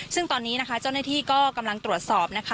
ซึ่งตอนนี้นะคะเจ้าหน้าที่ก็กำลังตรวจสอบนะคะ